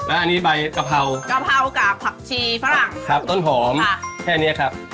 ใส่เพื่อเพิ่มความเปรี้ยวอย่างงี้นะครับ